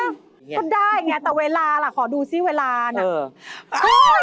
ก็ได้ไงแต่เวลาล่ะขอดูซิเวลาน่ะ